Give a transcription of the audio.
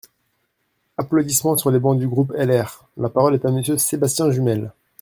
(Applaudissements sur les bancs du groupe LR.) La parole est à Monsieur Sébastien Jumel.